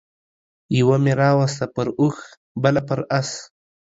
يوه مې راوسته پر اوښ بله پر اس